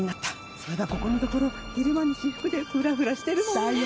そういえばここのところ昼間に私服でフラフラしてるもんね。